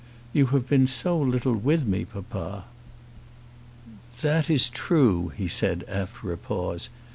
"You have been so little with me, papa." "That is true," he said, after a pause.